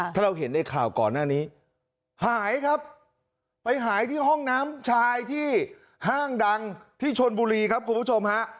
ถ้าเราเห็นในข่าวก่อนหน้านี้หายครับไปหายที่ห้องน้ำชายที่ห้างดังที่ชนบุรีครับคุณผู้ชมฮะ